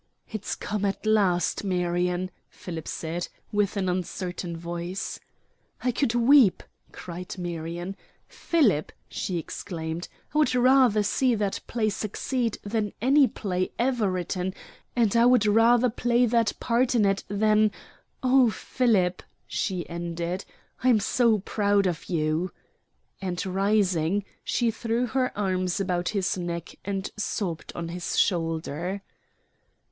"It's come at last, Marion," Philip said, with an uncertain voice. "I could weep," cried Marion. "Philip," she exclaimed, "I would rather see that play succeed than any play ever written, and I would rather play that part in it than Oh, Philip," she ended. "I'm so proud of you!" and rising, she threw her arms about his neck and sobbed on his shoulder.